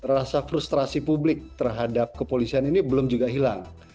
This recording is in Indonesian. rasa frustrasi publik terhadap kepolisian ini belum juga hilang